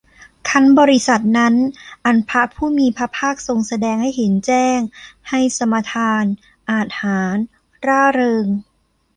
ครั้นบริษัทนั้น อันพระผู้มีพระภาคทรงแสดงให้เห็นแจ้ง ให้สมาทาน อาจหาญ ร่าเริง